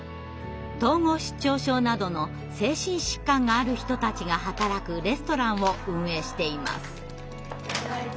統合失調症などの精神疾患がある人たちが働くレストランを運営しています。